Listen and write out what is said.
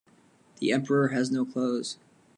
The emperor has no clothes.